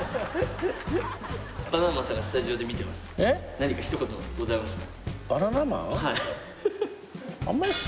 何か一言ございますか？